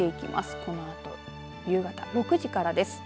このあと夕方６時からです。